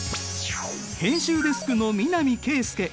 編集デスクの南圭介。